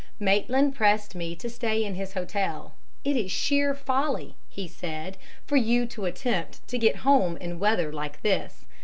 Maitland pressed me to stay in his hotel. 'It is sheer folly,' he said, 'for you to attempt to get home in weather like this.